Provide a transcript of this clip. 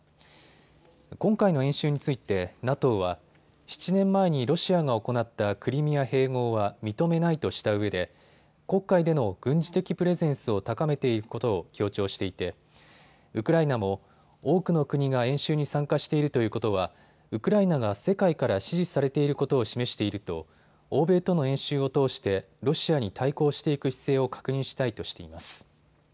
今回の演習についてＮＡＴＯは７年前にロシアが行ったクリミア併合は認めないとしたうえで黒海での軍事的プレゼンスを高めていくことを強調していてウクライナも多くの国が演習に参加しているということはウクライナが世界から支持されていることを示していると欧米との演習を通してロシアに対抗していく姿勢を確認したいとしています。